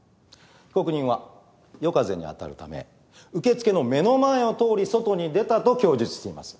被告人は夜風に当たるため受付の目の前を通り外に出たと供述しています。